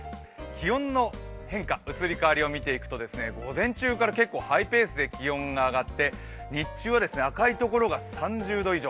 気温の変化、移り変わりを見ていくと午前中から結構ハイペースで気温が上がって、日中は赤いところが３０度以上。